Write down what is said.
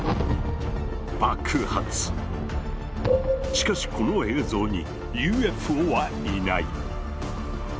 しかしこの映像にＵＦＯはいない。